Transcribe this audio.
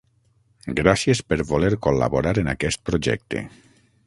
Gràcies per voler col·laborar en aquest projecte.